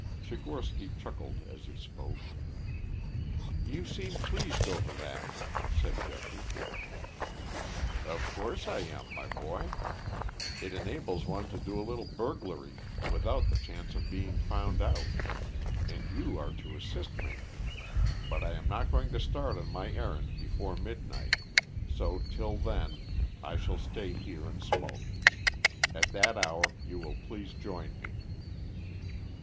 Tchigorsky chuckled as he spoke. "You seem pleased over that," said Geoffrey. "Of course I am, my boy. It enables one to do a little burglary without the chance of being found out. And you are to assist me. But I am not going to start on my errand before midnight; so till then I shall stay here and smoke. At that hour you will please join me."